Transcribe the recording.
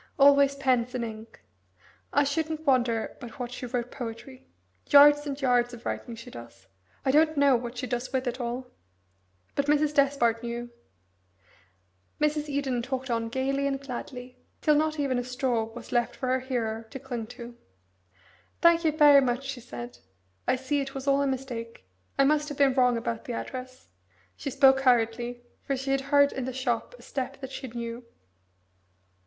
Always pens and ink. I shouldn't wonder but what she wrote poetry. Yards and yards of writing she does. I don't know what she does with it all." But Mrs. Despard knew. Mrs. Eden talked on gaily and gladly till not even a straw was left for her hearer to cling to. "Thank you very much," she said. "I see it was all a mistake. I must have been wrong about the address." She spoke hurriedly for she had heard in the shop a step that she knew.